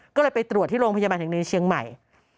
ก็เลยไปตรวจที่โรงพยาบาลแห่งหนึ่งในเชียงใหม่